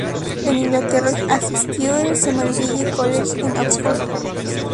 En Inglaterra asistió al Somerville College en Oxford.